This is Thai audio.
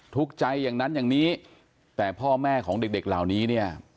ทุกข์ใจอย่างนั้นอย่างนี้แต่พ่อแม่ของเด็กเหล่านี้เนี่ย